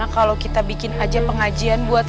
aku akan menganggap